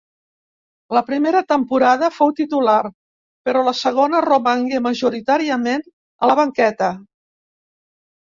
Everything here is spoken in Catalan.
La primera temporada fou titular però la segona romangué majoritàriament a la banqueta.